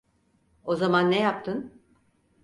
O zaman ne yaptın?